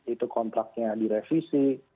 itu kontraknya direvisi